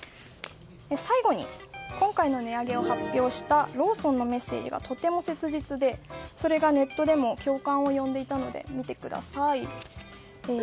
最後に、今回の値上げを発表したローソンのメッセージがとても切実でそれがネットでも共感を呼んでいたので見てください。